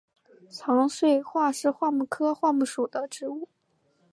长穗桦是桦木科桦木属的植物。